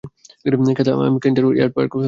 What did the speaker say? Kathy, আমি container yard পার হয়ে গেছি।